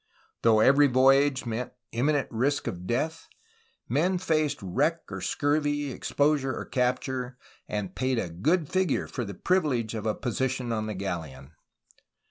Though every voyage meant imminent risk of death, men faced wreck or scurvy, exposure or capture, and paid a good figure for the privilege of a position on the galleon.